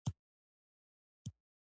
د پښتو خدمت نالوستو ته لوست دی.